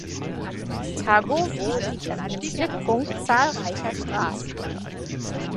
Targowo liegt an einem Schnittpunkt zahlreicher Straßen.